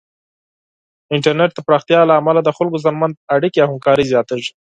د انټرنیټ د پراختیا له امله د خلکو ترمنځ اړیکې او همکاري زیاتېږي.